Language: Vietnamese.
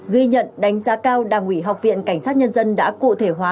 ghi nhận đánh giá cao đảng ủy học viện cảnh sát nhân dân đã cụ thể hóa